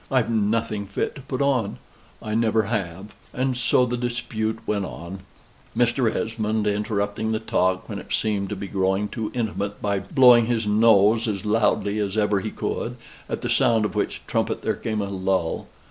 I've nothing fit to put on; I never have:" and so the dispute went on Mr. Esmond interrupting the talk when it seemed to be growing too intimate by blowing his nose as loudly as ever he could, at the sound of which trumpet there came a lull.